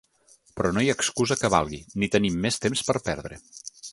Però no hi ha excusa que valgui, ni tenim més temps per perdre.